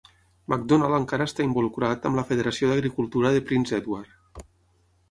McDonald encara està involucrat amb la Federació d'Agricultura de Prince Edward.